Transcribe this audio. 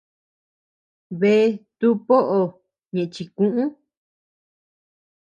Bea tuʼu poʼo ñeʼe chikuʼü.